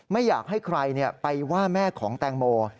ไม่อยากให้ใครไปว่าแม่ของแตงโม